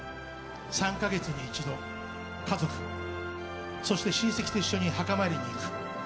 ３か月に一度、家族そして親戚と一緒に墓参りに行く。